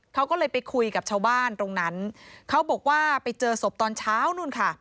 เขาก็เลยไปคุยกับชาวบ้านตรงนั้นเขาบอกว่าไปเจอศพตอนเช้านู่นค่ะ